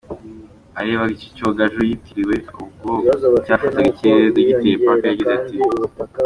Arebaga iki cyogajuru yitiriwe ubwo cyafataga ikirere, Dogiteri Parker yagize ati:.